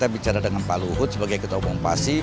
bisa ada dengan pak luhut sebagai ketua kompasif